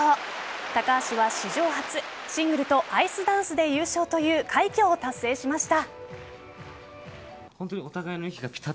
高橋は史上初シングルとアイスダンスで優勝という快挙を達成しました。